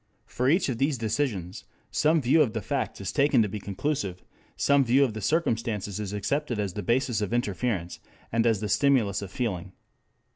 For each of these decisions some view of the facts is taken to be conclusive, some view of the circumstances is accepted as the basis of inference and as the stimulus of feeling.